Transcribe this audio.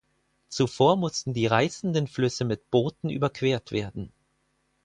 Zuvor mussten die reißenden Flüsse mit Booten überquert werden.